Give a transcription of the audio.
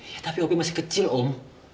ya tapi opi masih kecil om